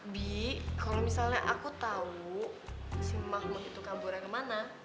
bi kalau misalnya aku tahu si mahmu itu kaburnya kemana